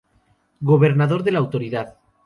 Gobernador de la Autoridad.